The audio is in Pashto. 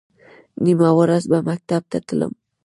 نیمه ورځ به مکتب ته تلم.